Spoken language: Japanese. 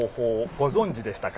ご存じでしたか？